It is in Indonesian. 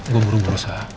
gue buru buru sa